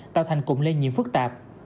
tạo thành cụm lây nhiễm phức tạp